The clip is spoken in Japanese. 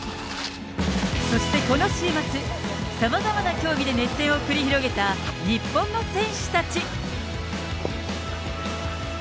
そしてこの週末、さまざまな競技で熱戦を繰り広げた日本の選手たち。